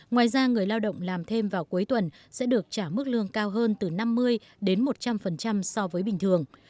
ngoài ra người lao động làm thêm vào cuối tuần sẽ được trả mức lương cao hơn từ năm mươi đến một trăm linh so với bình thường